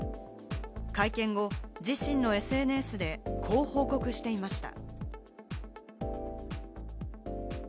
会見後、自身のＳＮＳで報告していました。